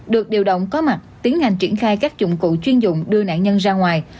được điều động có mặt tiến hành triển khai các dụng cụ chuyên dụng đưa nạn nhân ra ngoài